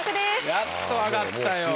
やっと上がったよ。